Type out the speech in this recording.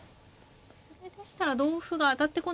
これでしたら同歩が当たってこないですね。